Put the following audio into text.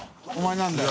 なんだよ？